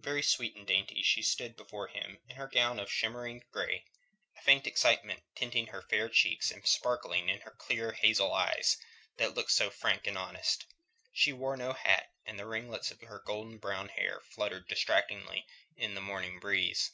Very sweet and dainty she stood before him in her gown of shimmering grey, a faint excitement tinting her fair cheeks and sparkling in her clear, hazel eyes, that looked so frank and honest. She wore no hat, and the ringlets of her gold brown hair fluttered distractingly in the morning breeze.